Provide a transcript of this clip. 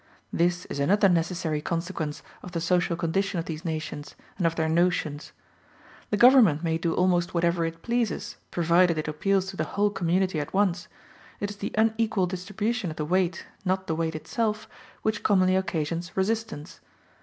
This is another necessary consequence of the social condition of these nations, and of their notions. The government may do almost whatever it pleases, provided it appeals to the whole community at once: it is the unequal distribution of the weight, not the weight itself, which commonly occasions resistance.